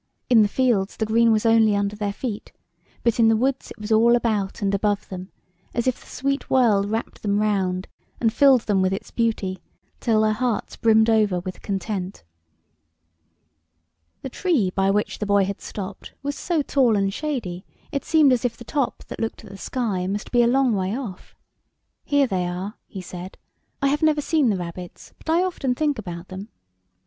In the fields the green was only under their feet, but in the woods it was all about and above them, as if the sweet world wrapped them round and filled them with its beauty, till their hearts brimmed over with content. 54 ANYHOW STORIES. [STORY The tree by which the boy had stopped was so tall and shady, it seemed as if the top that looked at the sky must be a long way off. ''Here they are," he said. "I have never seen the rabbits, but I often think about them."